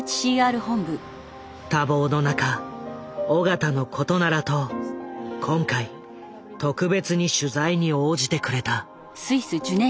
多忙の中緒方のことならと今回特別に取材に応じてくれた。